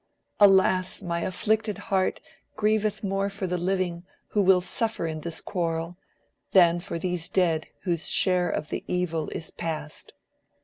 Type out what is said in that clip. Alas, my afflicted heart grieveth more for the living who will suffer in this quarrel, than for these dead whose share of the evil is past